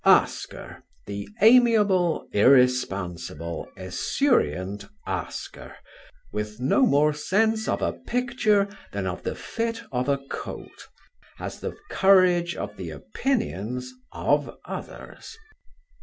"Oscar the amiable, irresponsible, esurient Oscar with no more sense of a picture than of the fit of a coat, has the courage of the opinions ... of others!"